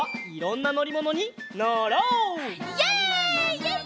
イエイ！